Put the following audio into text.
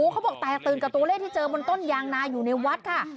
เขาบอกแตกตื่นกับตัวเลขที่เจอบนต้นยางนาอยู่ในวัดค่ะ